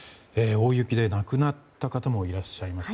大雪で亡くなった方もいらっしゃいます。